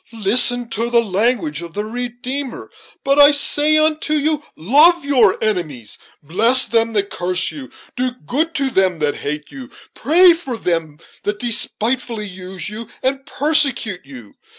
Listen to the language of the Redeemer: 'But I say unto you, love your enemies; bless them that curse you; do good to them that hate you; pray for them that despitefully use you and persecute you.'